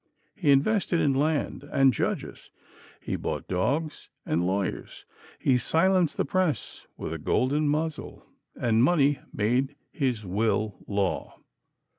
He invested in land and judges. He bought dogs and lawyers. He silenced the press with a golden muzzle, and money made his will law.